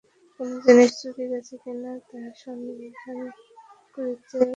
কোনো জিনিস চুরি গেছে কি না তাহাই তিনি সন্ধান করিতে প্রবৃত্ত হইয়াছেন।